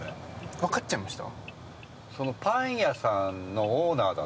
分かっちゃいました？